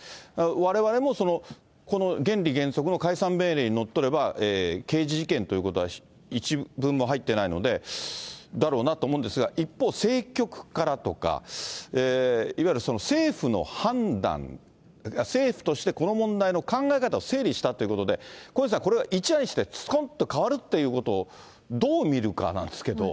われわれもこの原理原則の解散命令にのっとれば、刑事事件ということは一文も入ってないので、だろうなと思うんですが、一方、政局からとか、いわゆる政府の判断、政府としてこの問題の考え方を整理したということで、小西さん、これは一夜にして、すこんと変わるということをどう見るかなんですけど。